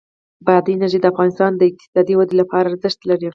بادي انرژي د افغانستان د اقتصادي ودې لپاره ارزښت لري.